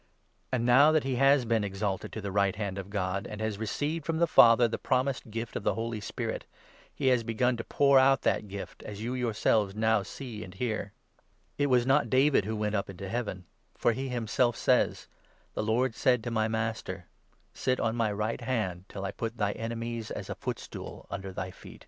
And now that he has been exalted to the right 33 hand of God, and has received from the Father the promised gift of the Holy Spirit, he has begun to pour out that gift, as you yourselves now see and hear. It was not David who 34 went up into Heaven ; for he himself says —' The Lord said to my master : "Sit on my right hand, Till I put thy enemies as a footstool under thy feet." ' 35 W » Joel a. *) 3*. »* Ps. 16. 8 n.